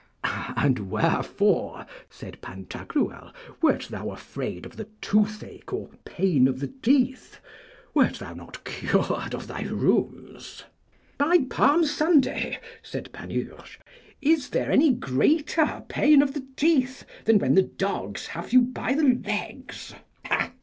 And wherefore, said Pantagruel, wert thou afraid of the toothache or pain of the teeth? Wert thou not cured of thy rheums? By Palm Sunday, said Panurge, is there any greater pain of the teeth than when the dogs have you by the legs?